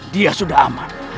dia sudah aman